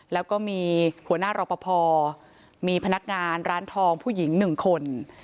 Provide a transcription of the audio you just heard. แล้วก็มีหัวหน้ารอปภมีพนักงานร้านทองผู้หญิง๑คน